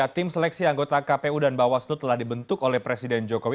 tim seleksi anggota kpu dan bawaslu telah dibentuk oleh presiden jokowi